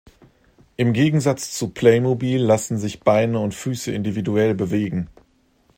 Im Gegensatz zu Playmobil lassen sich Beine und Füße individuell bewegen.